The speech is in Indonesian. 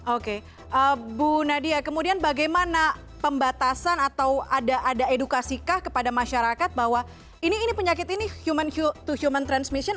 oke bu nadia kemudian bagaimana pembatasan atau ada edukasikah kepada masyarakat bahwa penyakit ini human to human transmission